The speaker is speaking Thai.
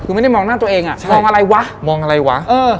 คือไม่ได้มองหน้าตัวเองมองอะไรวะ